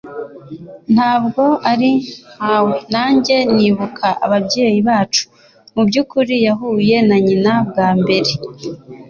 Ntabwo ari nkawe nanjye nibuka ababyeyi bacu; mubyukuri yahuye na nyina bwa mbere!